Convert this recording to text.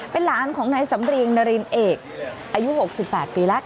เป็นหลานของนายสำเรียงนารินเอกอายุ๖๘ปีแล้ว